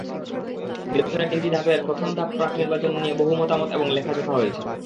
নির্বাচনের তিনটি ধাপের প্রথম ধাপ প্রাক-নির্বাচন নিয়ে বহু মতামত এবং লেখাজোখা হয়েছে।